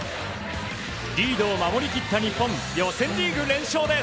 リードを守り切った日本予選リーグ連勝です。